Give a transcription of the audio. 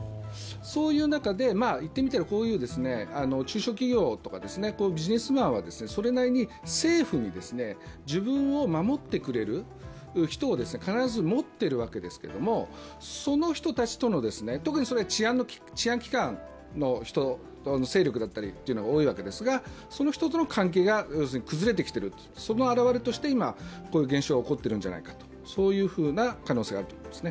そういう中で、こういう中小企業とかビジネスマンはそれなりに政府、自分を守ってくれる人を必ず持っているわけですけれども、その人たちとの、特に治安機関の人、勢力だったりが多いわけですがその人との関係が崩れてきているあらわれとして今、こういう現象が行っている可能性があると思います。